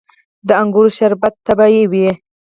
د انګورو شربت طبیعي وي.